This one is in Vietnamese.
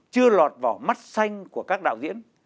chưa lọt vào mắt xanh của các đạo diễn